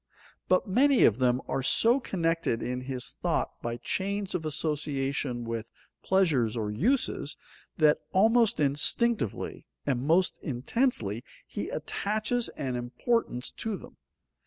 But many of them are so connected in his thought by chains of association with pleasures or uses, that almost instinctively and most intensely he attaches an importance to them.